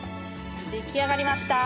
出来上がりました。